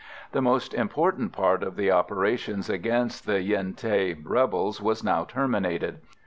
The most important part of the operations against the Yen Thé rebels was now terminated.